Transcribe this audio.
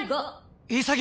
潔！